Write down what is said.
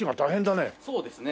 そうですね。